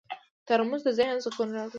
ترموز د ذهن سکون راوړي.